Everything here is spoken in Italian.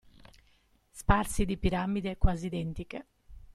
Sparsi di piramidi quasi identiche.